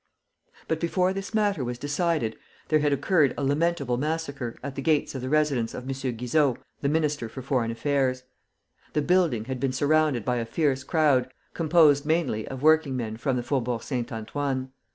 But before this matter was decided, there had occurred a lamentable massacre at the gates of the residence of M. Guizot, the Minister for Foreign Affairs. The building had been surrounded by a fierce crowd, composed mainly of working men from the Faubourg Saint Antoine.